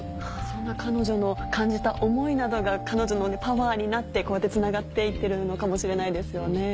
そんな彼女の感じた思いなどが彼女のパワーになってこうやってつながって行ってるのかもしれないですよね。